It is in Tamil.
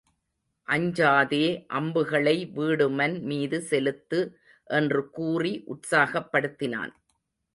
அஞ்சாதே அம்புகளை வீடுமன் மீது செலுத்து என்று கூறி உற்சாகப்படுத்தினான்.